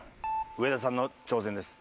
上田さんの挑戦です。